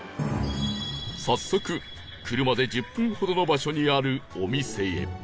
早速車で１０分ほどの場所にあるお店へ